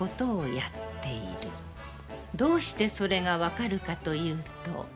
どうしてそれが判るかというと。